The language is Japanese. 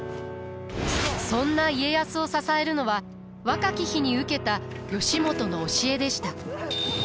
そんな家康を支えるのは若き日に受けた義元の教えでした。